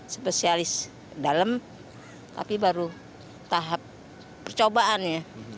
spesialis dalem tapi baru tahap percobaan ya